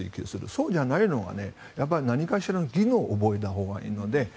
そうじゃないのは何かしらの理論を覚えたほうがいいので。